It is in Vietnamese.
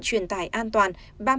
chuyển tải an toàn